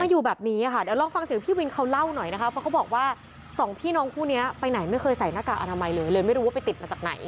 อยู่แบบนี้ค่ะเดี๋ยวลองฟังเสียงพี่วินเขาเล่าหน่อยนะคะเพราะเขาบอกว่าสองพี่น้องคู่นี้ไปไหนไม่เคยใส่หน้ากากอนามัยเลยเลยไม่รู้ว่าไปติดมาจากไหน